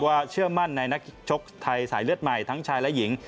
เชื่อมั่นในนักชกไทยสายเลือดใหม่ทั้งชายและหญิง